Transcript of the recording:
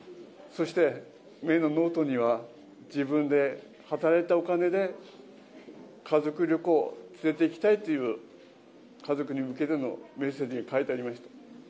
そして、芽生のノートには、自分で働いたお金で、家族旅行、連れていきたいという、家族に向けてのメッセージ、書いてありました。